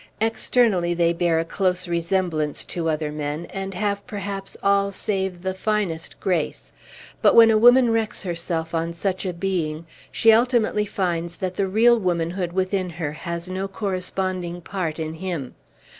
Externally they bear a close resemblance to other men, and have perhaps all save the finest grace; but when a woman wrecks herself on such a being, she ultimately finds that the real womanhood within her has no corresponding part in him.